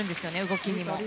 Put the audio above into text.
動きにも。